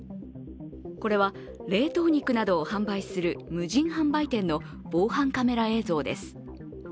これは、冷凍肉などを販売する無人販売店の防犯カメラ映像です。